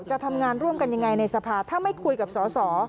จะทำงานร่วมกันยังไงในสภาถ้าไม่คุยกับสอสอ